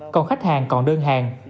còn khách hàng còn đơn hàng